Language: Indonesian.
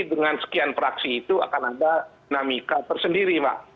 dengan sekian praksi itu akan ada namika tersendiri mbak